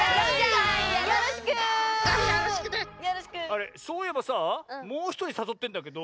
あれそういえばさぁもうひとりさそってんだけど。